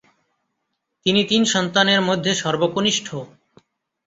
তিনি তিন সন্তানের মধ্যে সর্বকনিষ্ঠ।